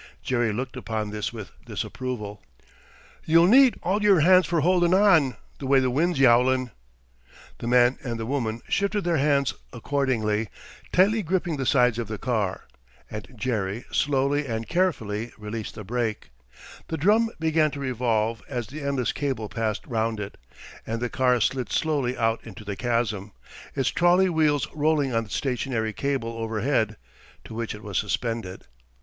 Jerry looked upon this with disapproval. "You'll need all your hands for holdin' on, the way the wind's yowlin'." The man and the woman shifted their hands accordingly, tightly gripping the sides of the car, and Jerry slowly and carefully released the brake. The drum began to revolve as the endless cable passed round it, and the car slid slowly out into the chasm, its trolley wheels rolling on the stationary cable overhead, to which it was suspended.